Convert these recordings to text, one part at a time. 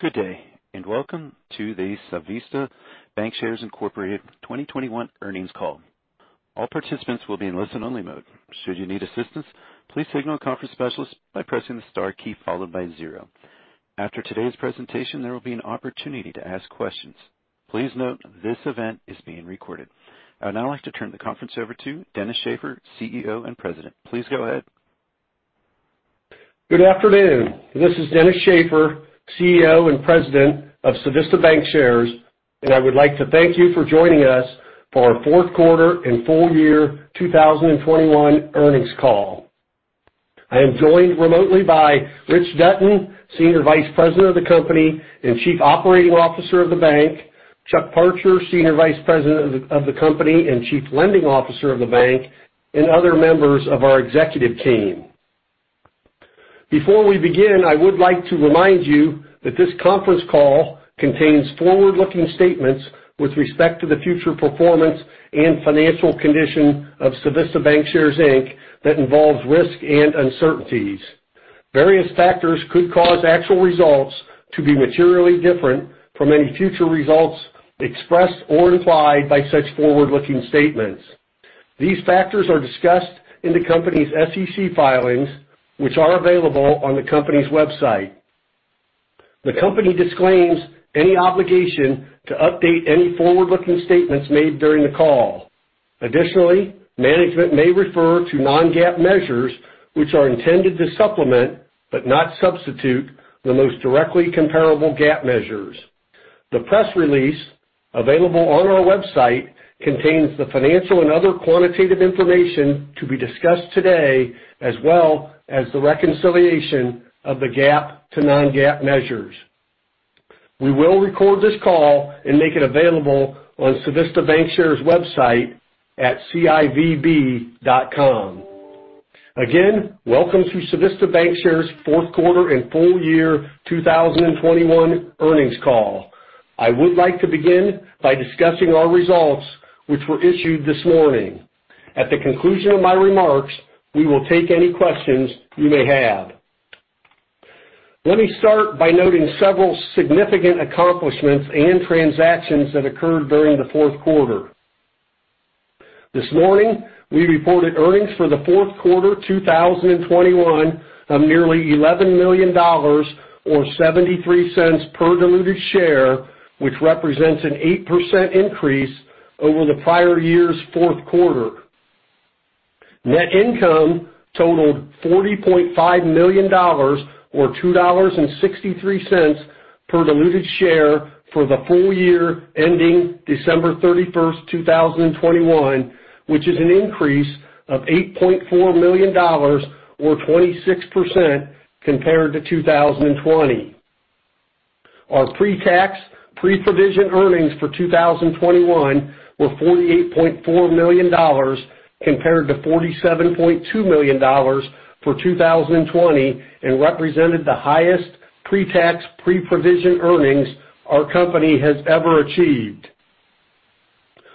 Good day, and welcome to the Civista Bancshares, Inc. 2021 earnings call. All participants will be in listen-only mode. Should you need assistance, please signal a conference specialist by pressing the star key followed by zero. After today's presentation, there will be an opportunity to ask questions. Please note this event is being recorded. I would now like to turn the conference over to Dennis Shaffer, CEO and President. Please go ahead. Good afternoon. This is Dennis Shaffer, CEO and President of Civista Bancshares, and I would like to thank you for joining us for our fourth quarter and full year 2021 earnings call. I am joined remotely by Rich Dutton, Senior Vice President of the company and Chief Operating Officer of the bank, Chuck Parcher, Senior Vice President of the company and Chief Lending Officer of the bank, and other members of our executive team. Before we begin, I would like to remind you that this conference call contains forward-looking statements with respect to the future performance and financial condition of Civista Bancshares, Inc. that involves risks and uncertainties. Various factors could cause actual results to be materially different from any future results expressed or implied by such forward-looking statements. These factors are discussed in the company's SEC filings, which are available on the company's website. The company disclaims any obligation to update any forward-looking statements made during the call. Additionally, management may refer to non-GAAP measures, which are intended to supplement, but not substitute, the most directly comparable GAAP measures. The press release available on our website contains the financial and other quantitative information to be discussed today, as well as the reconciliation of the GAAP to non-GAAP measures. We will record this call and make it available on Civista Bancshares' website at civb.com. Again, welcome to Civista Bancshares' fourth quarter and full year 2021 earnings call. I would like to begin by discussing our results, which were issued this morning. At the conclusion of my remarks, we will take any questions you may have. Let me start by noting several significant accomplishments and transactions that occurred during the fourth quarter. This morning, we reported earnings for the fourth quarter 2021 of nearly $11 million or $0.73 per diluted share, which represents an 8% increase over the prior year's fourth quarter. Net income totaled $40.5 million or $2.63 per diluted share for the full year ending December 31, 2021, which is an increase of $8.4 million or 26% compared to 2020. Our pre-tax, pre-provision earnings for 2021 were $48.4 million compared to $47.2 million for 2020, and represented the highest pre-tax, pre-provision earnings our company has ever achieved.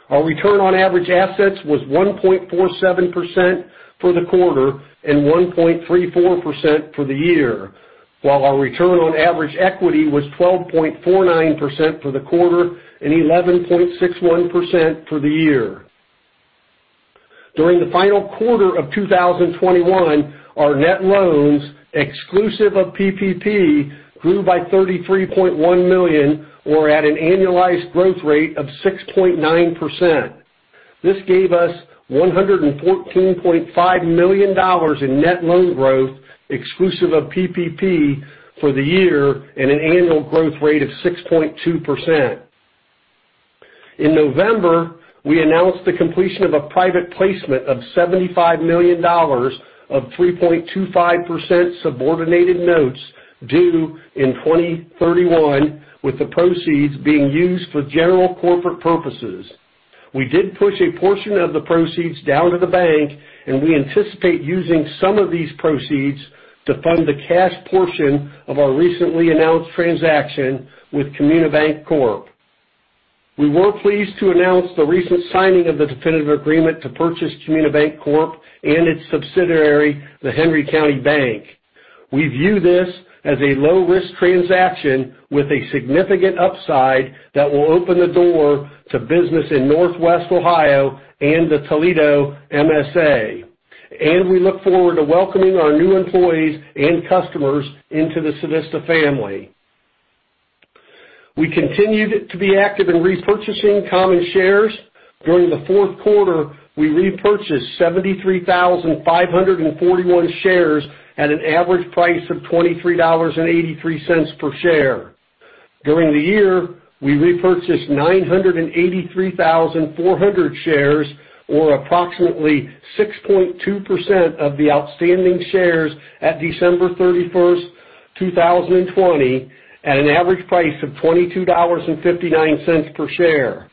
Our return on average assets was 1.47% for the quarter and 1.34% for the year, while our return on average equity was 12.49% for the quarter and 11.61% for the year. During the final quarter of 2021, our net loans, exclusive of PPP, grew by $33.1 million or at an annualized growth rate of 6.9%. This gave us $114.5 million in net loan growth, exclusive of PPP for the year, and an annual growth rate of 6.2%. In November, we announced the completion of a private placement of $75 million of 3.25% subordinated notes due in 2031, with the proceeds being used for general corporate purposes. We did push a portion of the proceeds down to the bank, and we anticipate using some of these proceeds to fund the cash portion of our recently announced transaction with Comunibanc Corp. We were pleased to announce the recent signing of the definitive agreement to purchase Comunibanc Corp. and its subsidiary, The Henry County Bank. We view this as a low-risk transaction with a significant upside that will open the door to business in Northwest Ohio and the Toledo MSA. We look forward to welcoming our new employees and customers into the Civista family. We continued to be active in repurchasing common shares. During the fourth quarter, we repurchased 73,541 shares at an average price of $23.83 per share. During the year, we repurchased 983,400 shares, or approximately 6.2% of the outstanding shares at December 31, 2020, at an average price of $22.59 per share.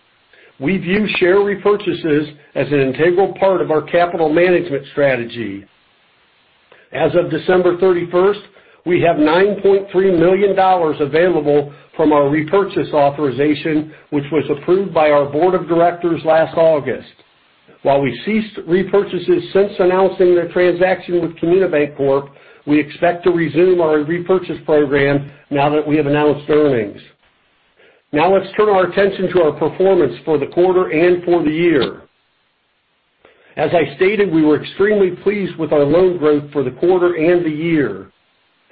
We view share repurchases as an integral part of our capital management strategy. As of December 31, we have $9.3 million available from our repurchase authorization, which was approved by our board of directors last August. While we ceased repurchases since announcing the transaction with Comunibanc Corp, we expect to resume our repurchase program now that we have announced earnings. Now let's turn our attention to our performance for the quarter and for the year. As I stated, we were extremely pleased with our loan growth for the quarter and the year.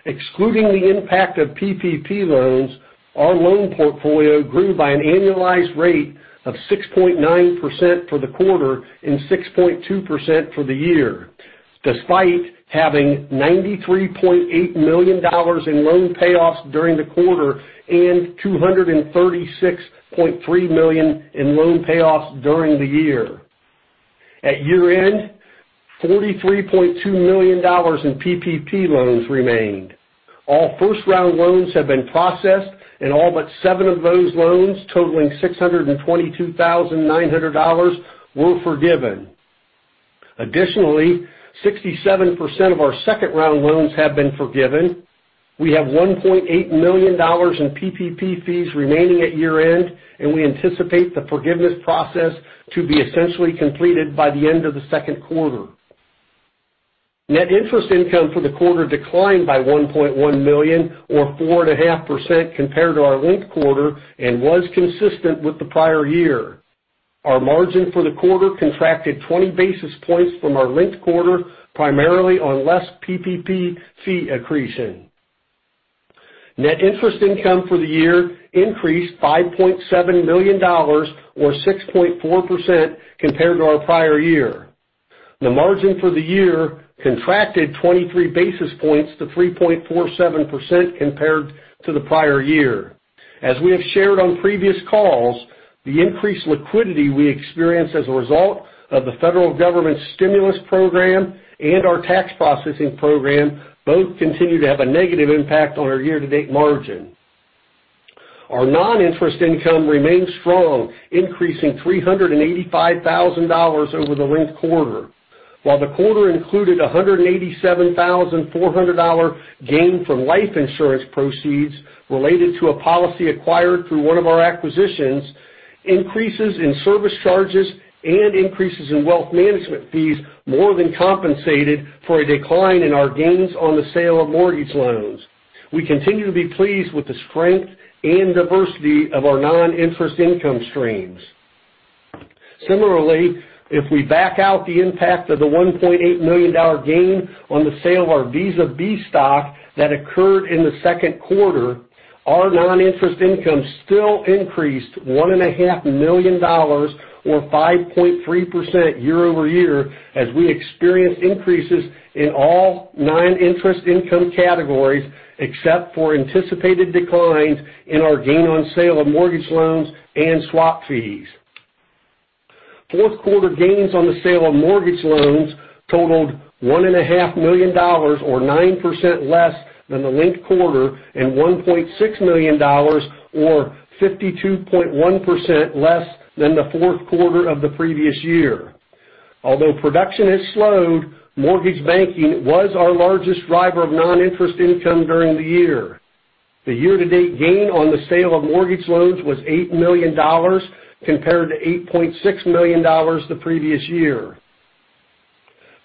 Excluding the impact of PPP loans, our loan portfolio grew by an annualized rate of 6.9% for the quarter and 6.2% for the year, despite having $93.8 million in loan payoffs during the quarter and $236.3 million in loan payoffs during the year. At year-end, $43.2 million in PPP loans remained. All first-round loans have been processed and all but seven of those loans, totaling $622,900, were forgiven. Additionally, 67% of our second-round loans have been forgiven. We have $1.8 million in PPP fees remaining at year-end, and we anticipate the forgiveness process to be essentially completed by the end of the second quarter. Net interest income for the quarter declined by $1.1 million or 4.5% compared to our linked quarter and was consistent with the prior year. Our margin for the quarter contracted 20 basis points from our linked quarter, primarily on less PPP fee accretion. Net interest income for the year increased $5.7 million or 6.4% compared to our prior year. The margin for the year contracted 23 basis points to 3.47% compared to the prior year. We have shared on previous calls, the increased liquidity we experienced as a result of the federal government's stimulus program and our tax processing program both continue to have a negative impact on our year-to-date margin. Our non-interest income remained strong, increasing $385,000 over the linked quarter. While the quarter included a $187,400 gain from life insurance proceeds related to a policy acquired through one of our acquisitions, increases in service charges and increases in wealth management fees more than compensated for a decline in our gains on the sale of mortgage loans. We continue to be pleased with the strength and diversity of our non-interest income streams. Similarly, if we back out the impact of the $1.8 million gain on the sale of our Visa B stock that occurred in the second quarter, our non-interest income still increased $1.5 million or 5.3% year-over-year as we experienced increases in all nine non-interest income categories, except for anticipated declines in our gain on sale of mortgage loans and swap fees. Fourth quarter gains on the sale of mortgage loans totaled $1.5 million or 9% less than the linked quarter, and $1.6 million or 52.1% less than the fourth quarter of the previous year. Although production has slowed, mortgage banking was our largest driver of non-interest income during the year. The year-to-date gain on the sale of mortgage loans was $8 million compared to $8.6 million the previous year.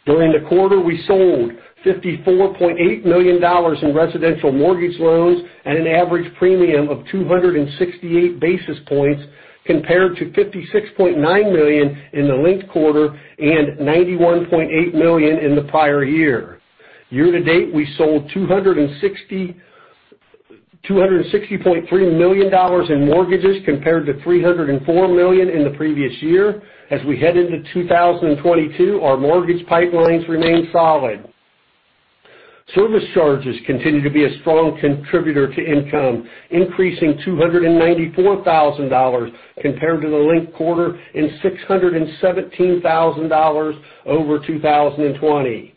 During the quarter, we sold $54.8 million in residential mortgage loans at an average premium of 268 basis points compared to $56.9 million in the linked quarter and $91.8 million in the prior year. Year to date, we sold $260.3 million in mortgages compared to $304 million in the previous year. As we head into 2022, our mortgage pipelines remain solid. Service charges continue to be a strong contributor to income, increasing $294,000 compared to the linked quarter and $617,000 over 2020.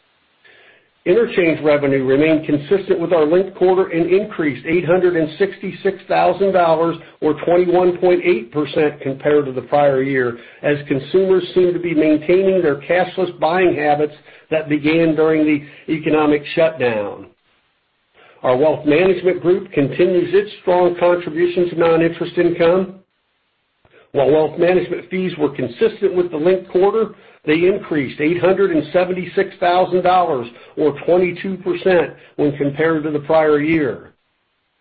Interchange revenue remained consistent with our linked quarter and increased $866,000 or 21.8% compared to the prior year as consumers seem to be maintaining their cashless buying habits that began during the economic shutdown. Our wealth management group continues its strong contributions to non-interest income. While wealth management fees were consistent with the linked quarter, they increased $876,000 or 22% when compared to the prior year.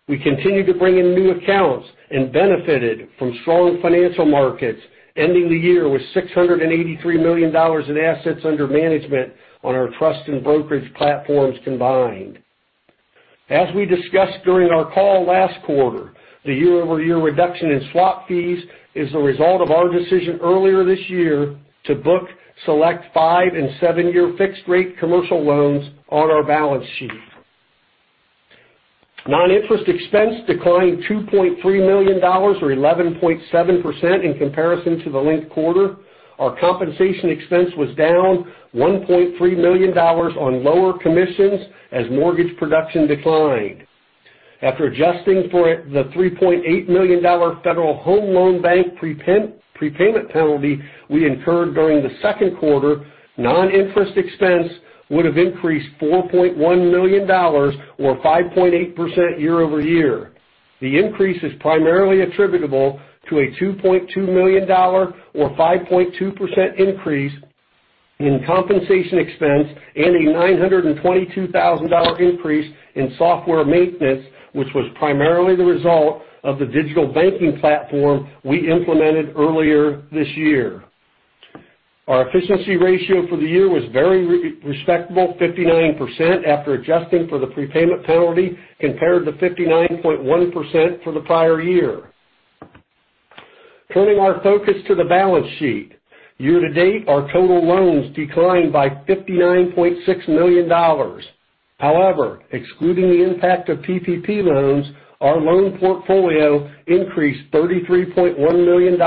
We continue to bring in new accounts and benefited from strong financial markets, ending the year with $683 million in assets under management on our trust and brokerage platforms combined. As we discussed during our call last quarter, the year-over-year reduction in swap fees is the result of our decision earlier this year to book select five and seven-year fixed rate commercial loans on our balance sheet. Noninterest expense declined $2.3 million or 11.7% in comparison to the linked quarter. Our compensation expense was down $1.3 million on lower commissions as mortgage production declined. After adjusting for the $3.8 million Federal Home Loan Bank prepayment penalty we incurred during the second quarter, non-interest expense would have increased $4.1 million or 5.8% year-over-year. The increase is primarily attributable to a $2.2 million or 5.2% increase in compensation expense and a $922,000 increase in software maintenance, which was primarily the result of the digital banking platform we implemented earlier this year. Our efficiency ratio for the year was very respectable, 59% after adjusting for the prepayment penalty, compared to 59.1% for the prior year. Turning our focus to the balance sheet. Year-to-date, our total loans declined by $59.6 million. However, excluding the impact of PPP loans, our loan portfolio increased $33.1 million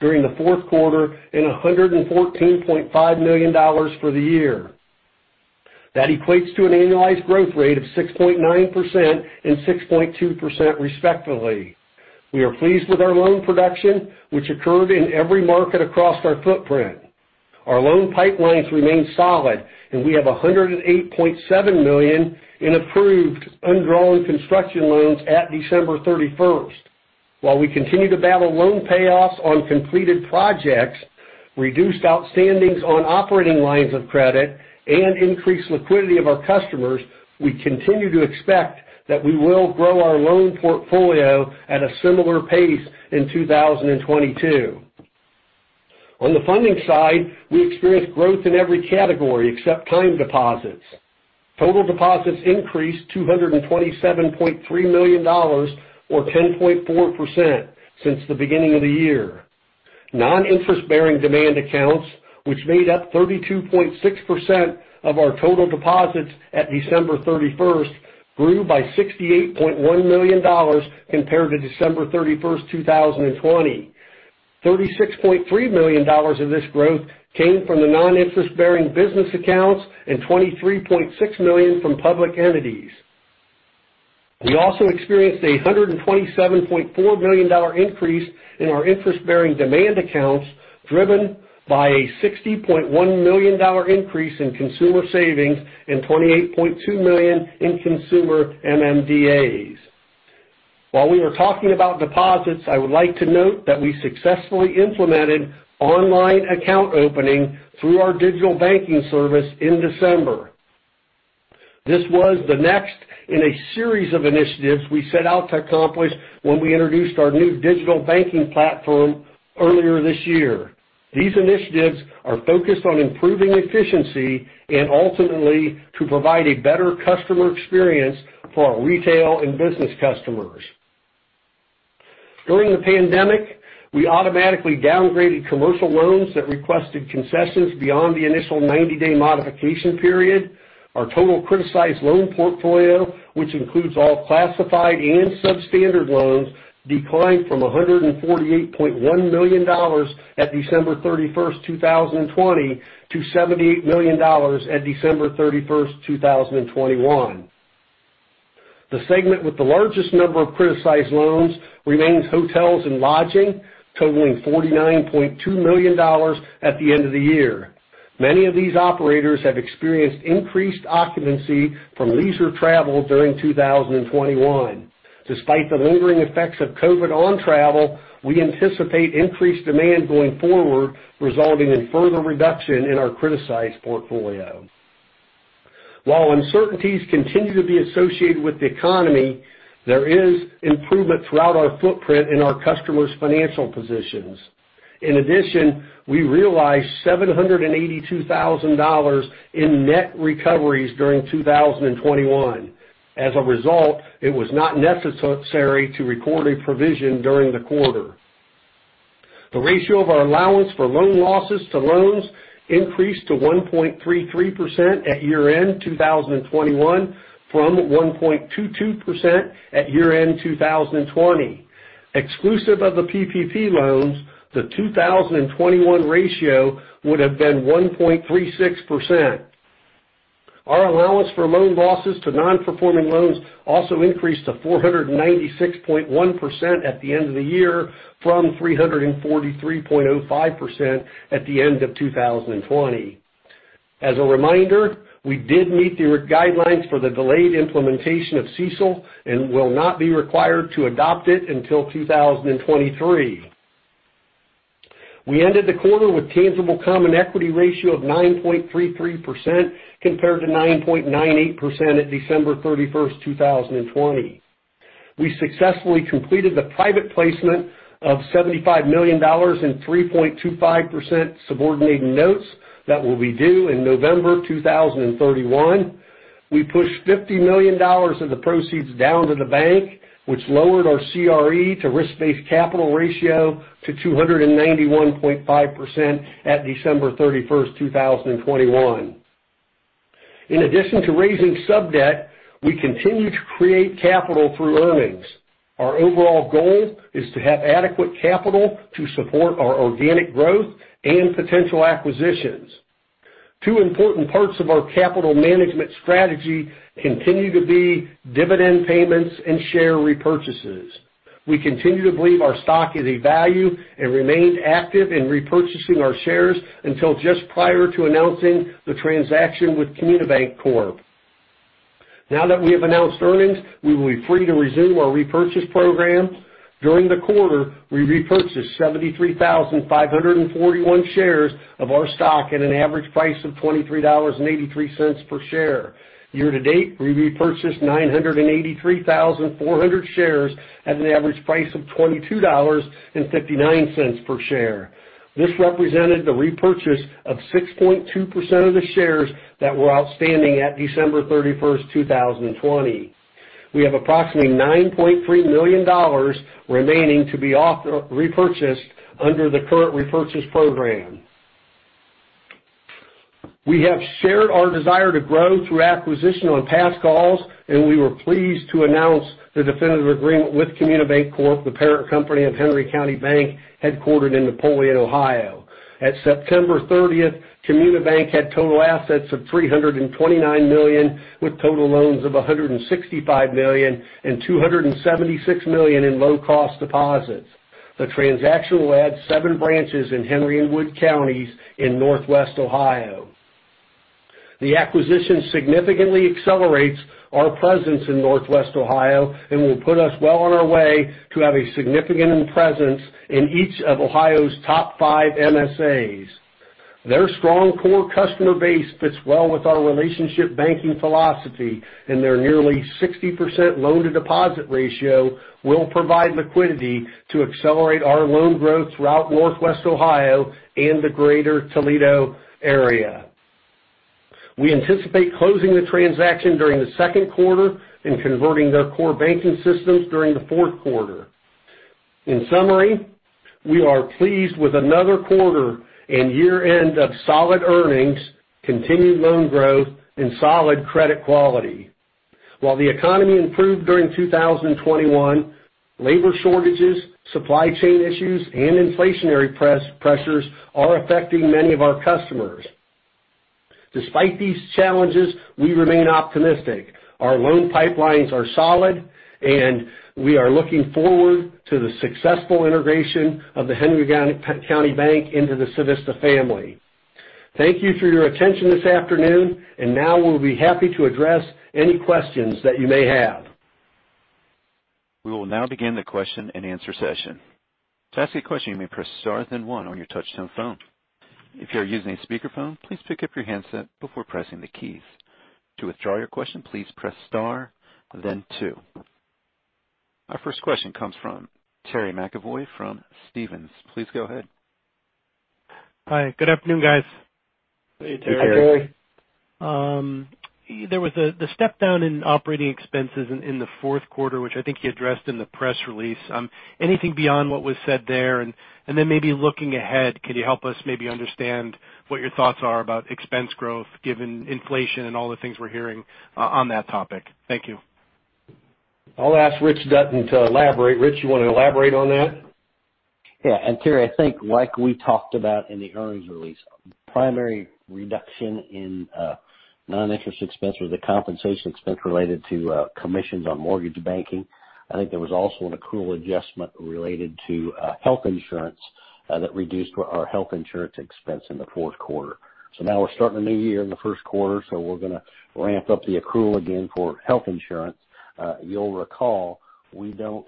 during the fourth quarter and $114.5 million for the year. That equates to an annualized growth rate of 6.9% and 6.2% respectively. We are pleased with our loan production, which occurred in every market across our footprint. Our loan pipelines remain solid, and we have $108.7 million in approved undrawn construction loans at 31 December. While we continue to battle loan payoffs on completed projects, reduced outstandings on operating lines of credit, and increased liquidity of our customers, we continue to expect that we will grow our loan portfolio at a similar pace in 2022. On the funding side, we experienced growth in every category except time deposits. Total deposits increased $227.3 million or 10.4% since the beginning of the year. Non-interest-bearing demand accounts, which made up 32.6% of our total deposits at 31 December, grew by $68.1 million compared to 31 December, 2020. $36.3 million of this growth came from the non-interest-bearing business accounts and $23.6 million from public entities. We also experienced a $127.4 million increase in our interest-bearing demand accounts, driven by a $60.1 million increase in consumer savings and $28.2 million in consumer MMDA. While we were talking about deposits, I would like to note that we successfully implemented online account opening through our digital banking service in December. This was the next in a series of initiatives we set out to accomplish when we introduced our new digital banking platform earlier this year. These initiatives are focused on improving efficiency and ultimately to provide a better customer experience for our retail and business customers. During the pandemic, we automatically downgraded commercial loans that requested concessions beyond the initial 90-day modification period. Our total criticized loan portfolio, which includes all classified and substandard loans, declined from $148.1 million at December 31, 2020 to $78 million at December 31, 2021. The segment with the largest number of criticized loans remains hotels and lodging, totaling $49.2 million at the end of the year. Many of these operators have experienced increased occupancy from leisure travel during 2021. Despite the lingering effects of COVID on travel, we anticipate increased demand going forward, resulting in further reduction in our criticized portfolio. While uncertainties continue to be associated with the economy, there is improvement throughout our footprint in our customers' financial positions. In addition, we realized $782,000 in net recoveries during 2021. As a result, it was not necessary to record a provision during the quarter. The ratio of our allowance for loan losses to loans increased to 1.33% at year-end 2021 from 1.22% at year-end 2020. Exclusive of the PPP loans, the 2021 ratio would have been 1.36%. Our allowance for loan losses to non-performing loans also increased to 496.1% at the end of the year from 343.05% at the end of 2020. As a reminder, we did meet the guidelines for the delayed implementation of CECL and will not be required to adopt it until 2023. We ended the quarter with tangible common equity ratio of 9.33% compared to 9.98% at 31 December, 2020. We successfully completed the private placement of $75 million in 3.25% subordinated notes that will be due in November 2031. We pushed $50 million of the proceeds down to the bank, which lowered our CRE to risk-based capital ratio to 291.5% at December 31, 2021. In addition to raising sub-debt, we continue to create capital through earnings. Our overall goal is to have adequate capital to support our organic growth and potential acquisitions. Two important parts of our capital management strategy continue to be dividend payments and share repurchases. We continue to believe our stock is a value and remained active in repurchasing our shares until just prior to announcing the transaction with Comunibanc Corp. Now that we have announced earnings, we will be free to resume our repurchase program. During the quarter, we repurchased 73,541 shares of our stock at an average price of $23.83 per share. Year to date, we repurchased 983,400 shares at an average price of $22.59 per share. This represented the repurchase of 6.2% of the shares that were outstanding at 31 December, 2020. We have approximately $9.3 million remaining to be repurchased under the current repurchase program. We have shared our desire to grow through acquisition on past calls, and we were pleased to announce the definitive agreement with Comunibanc Corp, the parent company of The Henry County Bank, headquartered in Napoleon, Ohio. At 30 September, Comunibanc had total assets of $329 million, with total loans of $165 million and $276 million in low-cost deposits. The transaction will add seven branches in Henry and Wood counties in Northwest Ohio. The acquisition significantly accelerates our presence in Northwest Ohio and will put us well on our way to have a significant presence in each of Ohio's top five MSAs. Their strong core customer base fits well with our relationship banking philosophy, and their nearly 60% loan-to-deposit ratio will provide liquidity to accelerate our loan growth throughout Northwest Ohio and the Greater Toledo area. We anticipate closing the transaction during the second quarter and converting their core banking systems during the fourth quarter. In summary, we are pleased with another quarter and year-end of solid earnings, continued loan growth, and solid credit quality. While the economy improved during 2021, labor shortages, supply chain issues, and inflationary pressures are affecting many of our customers. Despite these challenges, we remain optimistic. Our loan pipelines are solid, and we are looking forward to the successful integration of The Henry County Bank into the Civista family. Thank you for your attention this afternoon, and now we'll be happy to address any questions that you may have. We will now begin the question-and-answer session. To ask a question, you may press star then one on your touchtone phone. If you are using a speakerphone, please pick up your handset before pressing the keys. To withdraw your question, please press star then two. Our first question comes from Terry McEvoy from Stephens. Please go ahead. Hi, good afternoon, guys. Hey, Terry. Hey, Terry. There was a step down in operating expenses in the fourth quarter, which I think you addressed in the press release. Anything beyond what was said there? Maybe looking ahead, can you help us maybe understand what your thoughts are about expense growth given inflation and all the things we're hearing on that topic? Thank you. I'll ask Richard Dutton to elaborate. Rich, you want to elaborate on that? Yeah. Terry, I think like we talked about in the earnings release, primary reduction in noninterest expense was the compensation expense related to commissions on mortgage banking. I think there was also an accrual adjustment related to health insurance that reduced our health insurance expense in the fourth quarter. Now we're starting a new year in the first quarter, so we're going to ramp up the accrual again for health insurance. You'll recall, we don't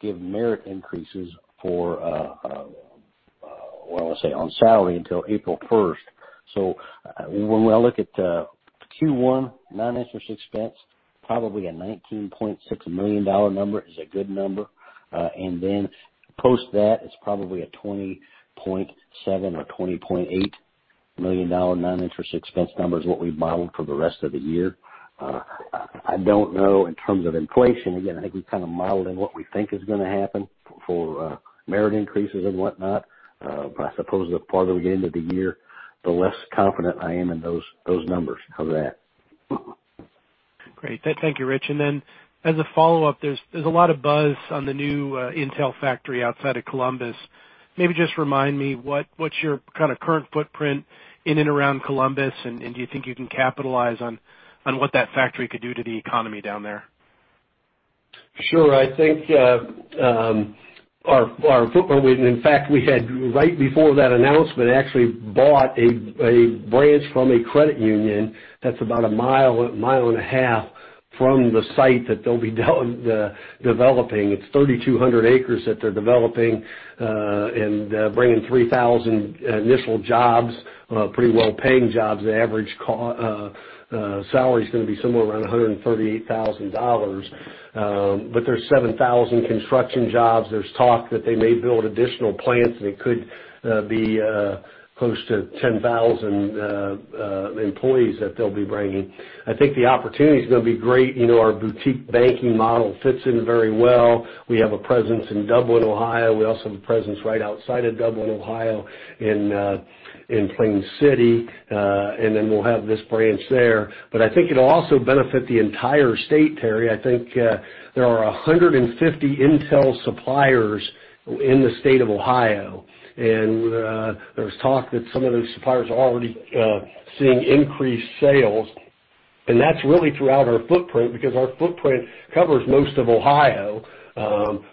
give merit increases for well, let's say, on salary until April first. When we look at Q1 noninterest expense, probably a $19.6 million number is a good number. And then post that, it's probably a $20.7 million or $20.8 million noninterest expense number is what we've modeled for the rest of the year. I don't know in terms of inflation. Again, I think we've kind of modeled in what we think is going to happen for merit increases and whatnot. I suppose the farther we get into the year, the less confident I am in those numbers. How's that? Great. Thank you, Rich. As a follow-up, there's a lot of buzz on the new Intel factory outside of Columbus. Maybe just remind me what's your kind of current footprint in and around Columbus, and do you think you can capitalize on what that factory could do to the economy down there? Sure. I think our footprint, and in fact, we had, right before that announcement, actually bought a branch from a credit union that's about a mile and a half from the site that they'll be developing. It's 3,200 acres that they're developing and bringing 3,000 initial jobs, pretty well-paying jobs. The average salary is going to be somewhere around $138,000. But there's 7,000 construction jobs. There's talk that they may build additional plants, and it could be close to 10,000 employees that they'll be bringing. I think the opportunity is going to be great. You know, our boutique banking model fits in very well. We have a presence in Dublin, Ohio. We also have a presence right outside of Dublin, Ohio, in Plain City, and then we'll have this branch there. I think it'll also benefit the entire state, Terry. I think there are 150 Intel suppliers in the state of Ohio. There's talk that some of those suppliers are already seeing increased sales. That's really throughout our footprint because our footprint covers most of Ohio.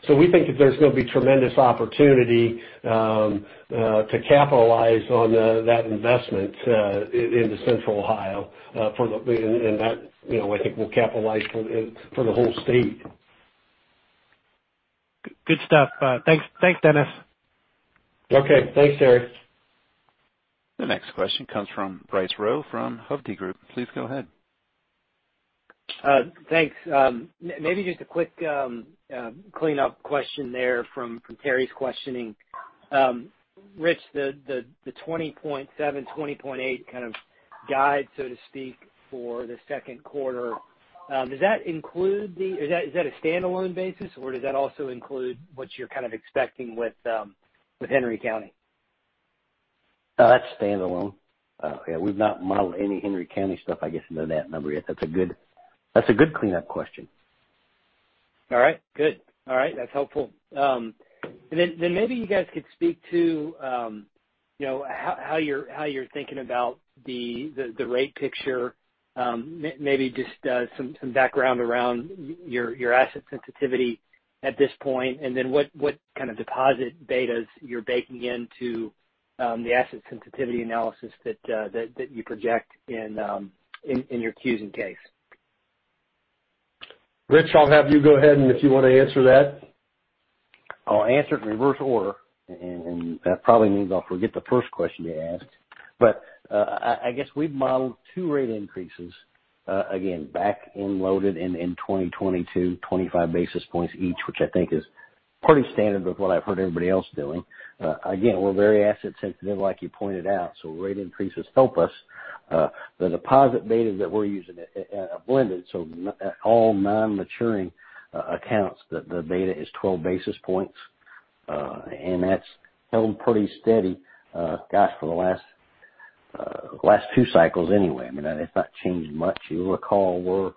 We think that there's going to be tremendous opportunity to capitalize on that investment into Central Ohio. That, you know, I think will capitalize for the whole state. Good stuff. Thanks. Thanks, Dennis. Okay. Thanks, Terry. The next question comes from Bryce Rowe from Hovde Group. Please go ahead. Thanks. Maybe just a quick cleanup question there from Terry's questioning. Rich, the 20.7-20.8 kind of guide, so to speak, for the second quarter, does that include. Is that a standalone basis, or does that also include what you're kind of expecting with Henry County? That's standalone. Okay. We've not modeled any Henry County stuff, I guess, into that number yet. That's a good cleanup question. All right. Good. All right. That's helpful. Maybe you guys could speak to you know how you're thinking about the rate picture, maybe just some background around your asset sensitivity at this point, and then what kind of deposit betas you're baking into the asset sensitivity analysis that you project in your Qs and Ks. Rich, I'll have you go ahead and if you want to answer that. I'll answer it in reverse order, and that probably means I'll forget the first question you asked. I guess we've modeled two rate increases, again, back-loaded in 2022, 25 basis points each, which I think is pretty standard with what I've heard everybody else doing. Again, we're very asset sensitive like you pointed out, so rate increases help us. The deposit beta that we're using, blended, so all non-maturing accounts that the beta is 12 basis points. That's held pretty steady, gosh, for the last two cycles anyway. I mean, that has not changed much. You'll recall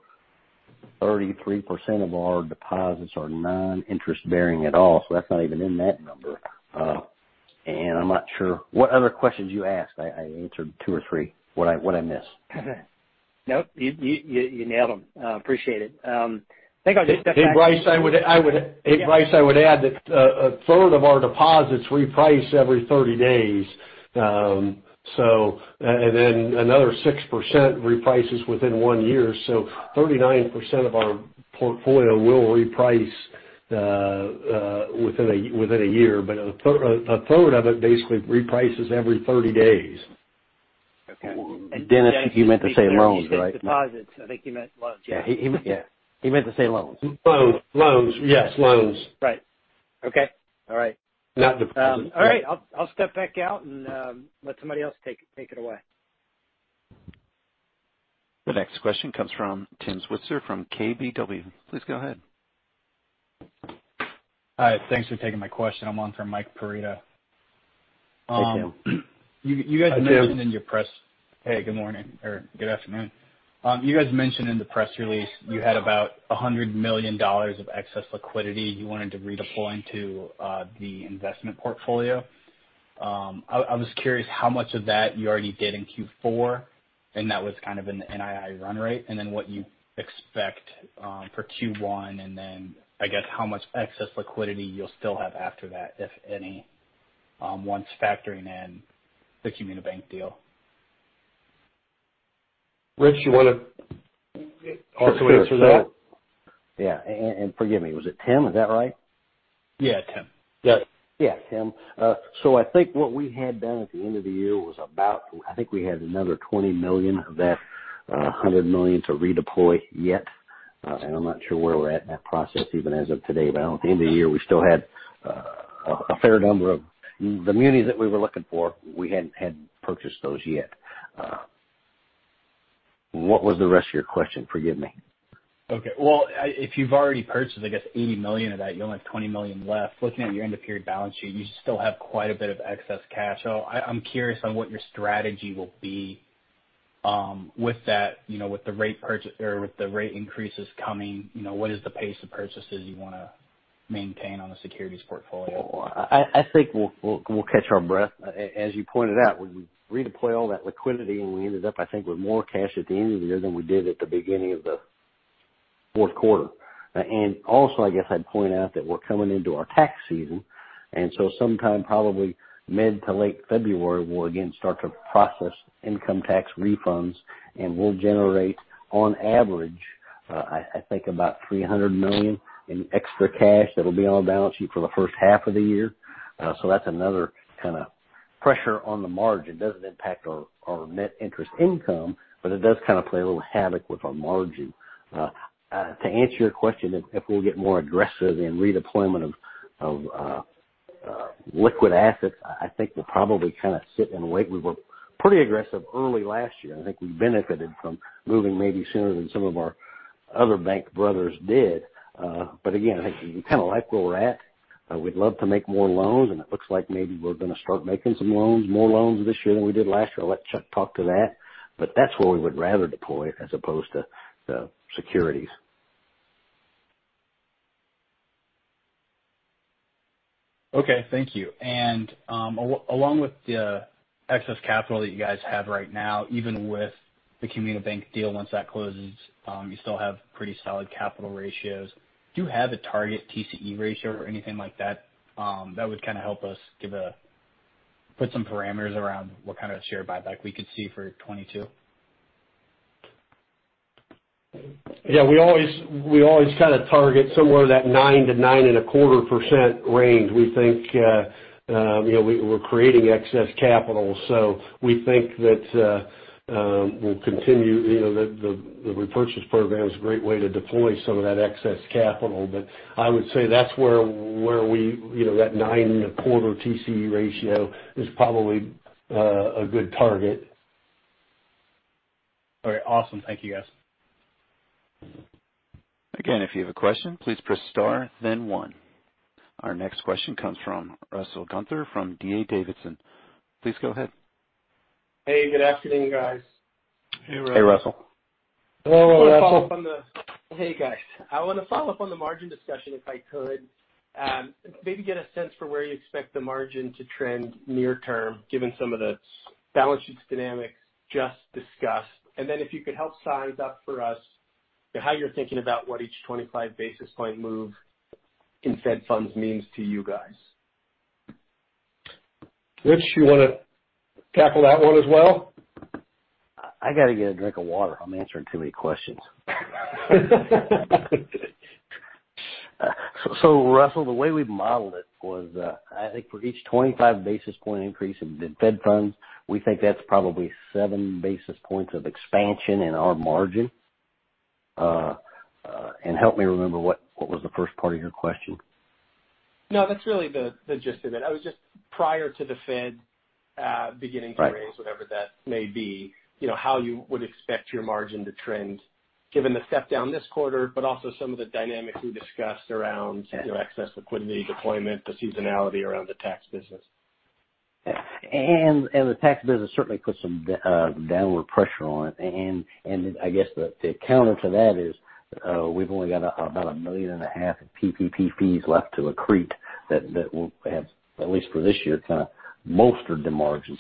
33% of our deposits are non-interest bearing at all, so that's not even in that number. I'm not sure what other questions you asked. I answered two or three. What I miss? Nope. You nailed them. I appreciate it. I think I'll just step back. Hey, Bryce. I would Yeah. Hey, Bryce, I would add that a third of our deposits reprice every 30 days. Then another 6% reprices within one year. 39% of our portfolio will reprice within a year. A third of it basically reprices every 30 days. Okay. Dennis, you meant to say loans, right? Deposits. I think he meant loans. Yeah. Yeah, he meant to say loans. Loans. Yes, loans. Right. Okay. All right. Not deposits. All right. I'll step back out and let somebody else take it away. The next question comes from Tim Switzer from KBW. Please go ahead. Thanks for taking my question. I'm on for Mike Perito. Hey, Tim. You guys mentioned in your press- Hey, Tim. Hey, good morning or good afternoon. You guys mentioned in the press release you had about $100 million of excess liquidity you wanted to redeploy into the investment portfolio. I was curious how much of that you already did in Q4, and that was kind of in the NII run rate, and then what you expect for Q1, and then I guess how much excess liquidity you'll still have after that, if any, once factoring in the Comunibanc deal. Rich, you wanna also answer that? Yeah. Forgive me. Was it Tim? Is that right? Yeah, Tim. Yeah. Yeah, Tim. I think what we had done at the end of the year was about. I think we had another $20 million of that $100 million to redeploy yet. I'm not sure where we're at in that process even as of today. I know at the end of the year, we still had a fair number of the munis that we were looking for. We hadn't purchased those yet. What was the rest of your question, forgive me. Okay. Well, if you've already purchased, I guess, $80 million of that, you only have $20 million left. Looking at your end-of-period balance sheet, you still have quite a bit of excess cash. I'm curious on what your strategy will be, with that, you know, or with the rate increases coming, you know, what is the pace of purchases you wanna maintain on the securities portfolio? I think we'll catch our breath. As you pointed out, we redeployed all that liquidity and we ended up, I think, with more cash at the end of the year than we did at the beginning of the fourth quarter. Also, I guess I'd point out that we're coming into our tax season, and so sometime probably mid to late February, we'll again start to process income tax refunds, and we'll generate on average, I think about $300 million in extra cash that'll be on our balance sheet for the first half of the year. That's another kinda pressure on the margin. Doesn't impact our net interest income, but it does kinda play a little havoc with our margin. To answer your question, if we'll get more aggressive in redeployment of liquid assets, I think we'll probably kinda sit and wait. We were pretty aggressive early last year, and I think we benefited from moving maybe sooner than some of our other bank brothers did. Again, I think we kinda like where we're at. We'd love to make more loans, and it looks like maybe we're gonna start making some loans, more loans this year than we did last year. I'll let Chuck talk to that. That's where we would rather deploy as opposed to securities. Okay. Thank you. Along with the excess capital that you guys have right now, even with the Comunibanc deal, once that closes, you still have pretty solid capital ratios. Do you have a target TCE ratio or anything like that would kind of help us put some parameters around what kind of share buyback we could see for 2022? Yeah, we always kind of target somewhere in that 9%-9.25% range. We think, you know, we're creating excess capital. We think that we'll continue, you know, the repurchase program is a great way to deploy some of that excess capital. I would say that's where we, you know, that 9.25% TCE ratio is probably a good target. All right. Awesome. Thank you, guys. Again, if you have a question, please press star then one. Our next question comes from Russell Gunther from D.A. Davidson. Please go ahead. Hey, good afternoon, guys. Hey, Russell. Hey, Russell. Hello, Russell. Hey, guys. I want to follow up on the margin discussion, if I could. Maybe get a sense for where you expect the margin to trend near term, given some of the balance sheet dynamics just discussed. Then if you could help size up for us how you're thinking about what each 25 basis point move in Fed funds means to you guys. Rich, you wanna tackle that one as well? I gotta get a drink of water. I'm answering too many questions. Russell, the way we've modeled it was, I think for each 25 basis point increase in Fed funds, we think that's probably seven basis points of expansion in our margin. Help me remember what was the first part of your question? No, that's really the gist of it. I was just prior to the Fed beginning to raise- Right. Whatever that may be, you know, how you would expect your margin to trend given the step down this quarter, but also some of the dynamics we discussed around, you know, excess liquidity deployment, the seasonality around the tax business. The tax business certainly puts some downward pressure on it. I guess the counter to that is, we've only got about $1.5 million PPP fees left to accrete that will have, at least for this year, kind of most of the margin.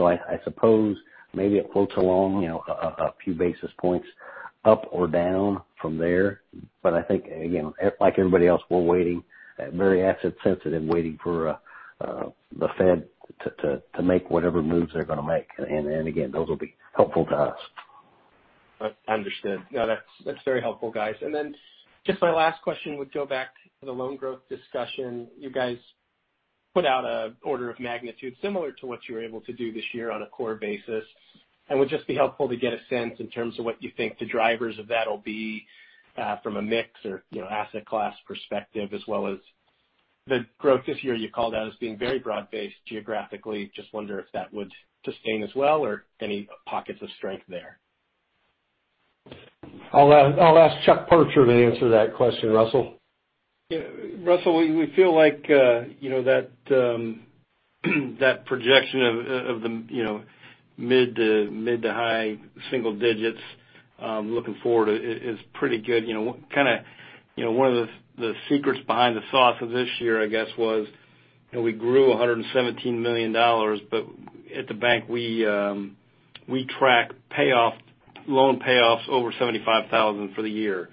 I suppose maybe it floats along, you know, a few basis points up or down from there. I think, again, like everybody else, we're waiting, very asset sensitive, waiting for the Fed to make whatever moves they're gonna make. Again, those will be helpful to us. Understood. No, that's very helpful, guys. Just my last question would go back to the loan growth discussion. You guys put out an order of magnitude similar to what you were able to do this year on a core basis. Would just be helpful to get a sense in terms of what you think the drivers of that'll be, from a mix or, you know, asset class perspective, as well as the growth this year you called out as being very broad-based geographically. I just wonder if that would sustain as well or any pockets of strength there. I'll ask Chuck Parcher to answer that question, Russell. Yeah. Russell, we feel like, you know, that projection of the, you know, mid to high single digits, looking forward is pretty good. You know, kinda, you know, one of the secrets behind the sauce of this year, I guess, was, you know, we grew $117 million, but at the bank, we track payoff loan payoffs over $75,000 for the year.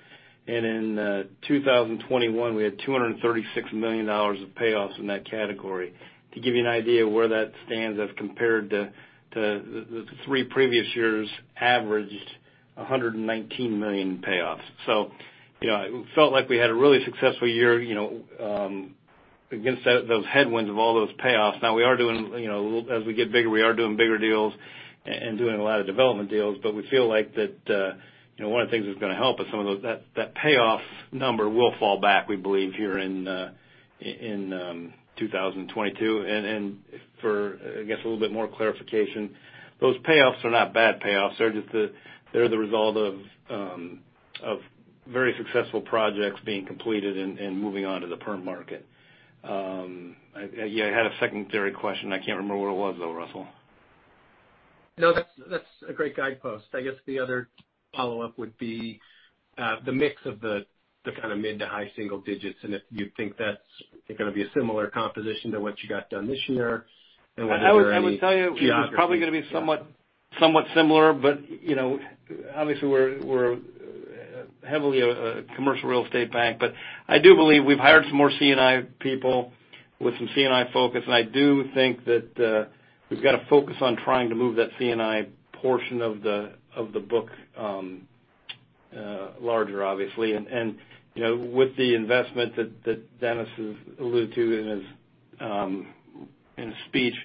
In 2021, we had $236 million of payoffs in that category. To give you an idea where that stands as compared to the three previous years averaged $119 million payoffs. You know, it felt like we had a really successful year, you know, against those headwinds of all those payoffs. Now we are doing, you know, as we get bigger, we are doing bigger deals and doing a lot of development deals. We feel like that, you know, one of the things that's gonna help with some of those, that payoff number will fall back, we believe, here in 2022. For, I guess, a little bit more clarification, those payoffs are not bad payoffs. They're just the result of very successful projects being completed and moving on to the perm market. Yeah, you had a secondary question. I can't remember what it was though, Russell. No, that's a great guidepost. I guess the other follow-up would be the mix of the kind of mid to high single digits, and if you think that's gonna be a similar composition to what you got done this year, and whether there any geography. I would tell you it's probably gonna be somewhat similar, but you know, obviously we're heavily a commercial real estate bank. I do believe we've hired some more C&I people with some C&I focus. I do think that we've got to focus on trying to move that C&I portion of the book larger obviously. You know, with the investment that Dennis has alluded to in his speech,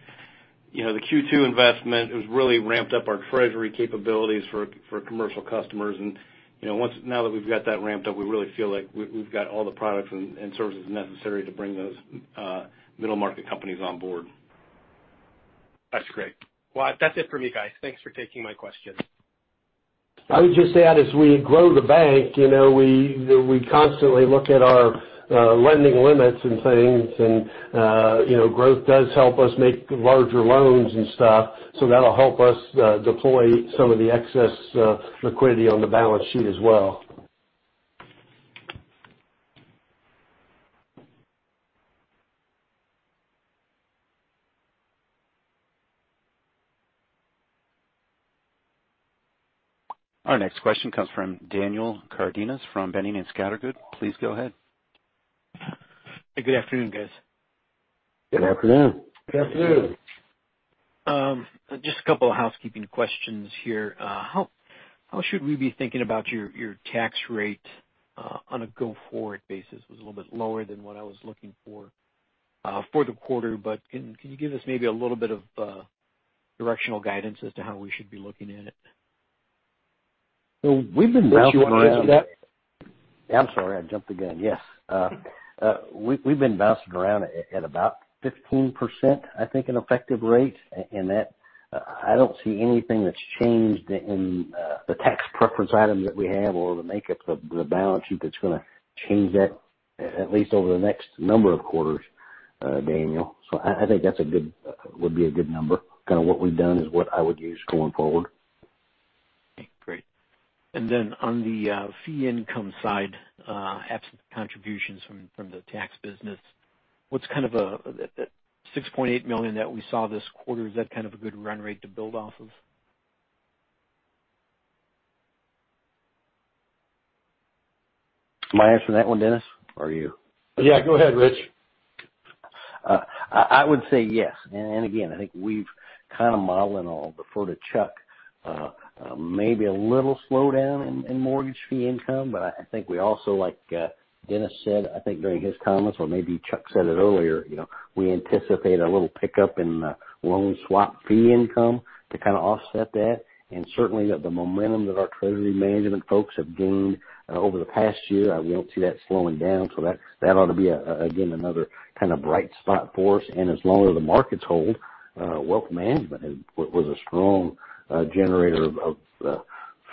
you know, the Q2 investment has really ramped up our treasury capabilities for commercial customers. You know, now that we've got that ramped up, we really feel like we've got all the products and services necessary to bring those middle market companies on board. That's great. Well, that's it for me, guys. Thanks for taking my questions. I would just add, as we grow the bank, you know, we constantly look at our lending limits and things and, you know, growth does help us make larger loans and stuff. So that'll help us deploy some of the excess liquidity on the balance sheet as well. Our next question comes from Daniel Cardenas from Boenning & Scattergood. Please go ahead. Good afternoon, guys. Good afternoon. Good afternoon. Just a couple of housekeeping questions here. How should we be thinking about your tax rate on a go-forward basis? It was a little bit lower than what I was looking for for the quarter, but can you give us maybe a little bit of directional guidance as to how we should be looking at it? We've been bouncing around. Would you answer that? I'm sorry, I jumped the gun. Yes. We've been bouncing around at about 15%, I think, in effective rate. That, I don't see anything that's changed in the tax preference items that we have or the makeup of the balance sheet that's gonna change that, at least over the next number of quarters, Daniel. I think that's a good number. Kinda what we've done is what I would use going forward. Okay, great. Then on the fee income side, absent contributions from the tax business, what's kind of a that $6.8 million that we saw this quarter, is that kind of a good run rate to build off of? Am I answering that one, Dennis, or you? Yeah, go ahead, Rich. I would say yes. Again, I think we've kind of modeled and I'll defer to Chuck, maybe a little slowdown in mortgage fee income, but I think we also, like, Dennis said, I think during his comments or maybe Chuck said it earlier, you know, we anticipate a little pickup in loan swap fee income to kinda offset that. Certainly the momentum that our treasury management folks have gained over the past year, I don't see that slowing down, so that ought to be another kind of bright spot for us. As long as the markets hold, wealth management was a strong generator of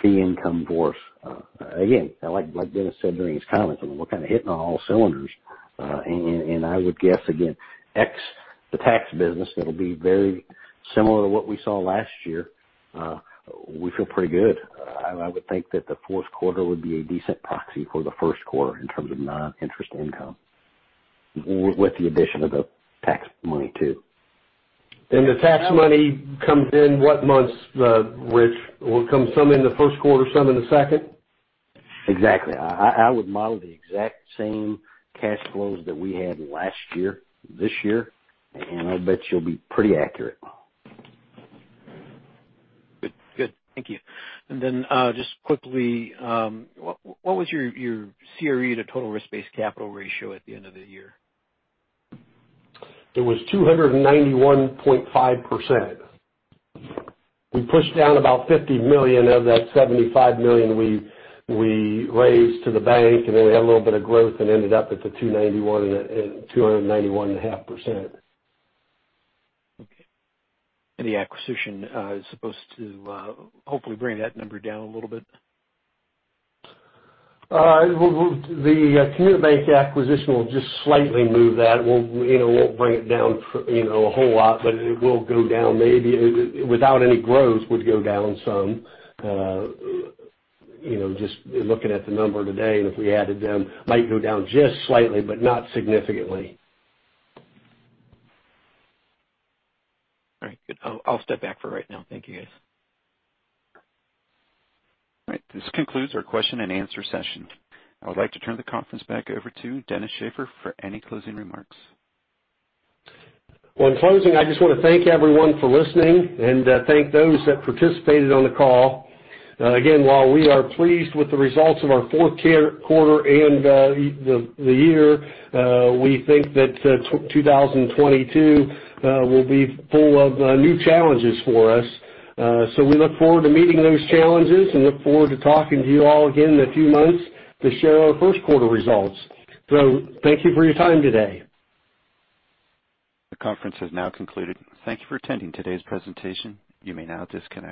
fee income for us. Again, like Dennis said during his comments, I mean, we're kinda hitting on all cylinders. I would guess again, ex the tax business, that'll be very similar to what we saw last year. We feel pretty good. I would think that the fourth quarter would be a decent proxy for the first quarter in terms of non-interest income, with the addition of the tax money too. The tax money comes in what months, Rich? Will come some in the first quarter, some in the second? Exactly. I would model the exact same cash flows that we had last year, this year, and I bet you'll be pretty accurate. Good. Good. Thank you. Just quickly, what was your CRE to total risk-based capital ratio at the end of the year? It was 291.5%. We pushed down about $50 million of that $75 million we raised to the bank, and then we had a little bit of growth and ended up at the 291%, and 291.5%. Okay. The acquisition is supposed to hopefully bring that number down a little bit? The Comunibanc acquisition will just slightly move that. We'll, you know, won't bring it down a whole lot, but it will go down maybe without any growth, would go down some. You know, just looking at the number today and if we added them, might go down just slightly, but not significantly. All right, good. I'll step back for right now. Thank you, guys. All right. This concludes our question and answer session. I would like to turn the conference back over to Dennis Shaffer for any closing remarks. Well, in closing, I just wanna thank everyone for listening and thank those that participated on the call. Again, while we are pleased with the results of our fourth quarter and the year, we think that 2022 will be full of new challenges for us. We look forward to meeting those challenges and look forward to talking to you all again in a few months to share our first quarter results. Thank you for your time today. The conference has now concluded. Thank you for attending today's presentation. You may now disconnect.